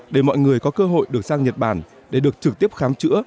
để mọi người có cơ hội được sang nhật bản để được trực tiếp khám chữa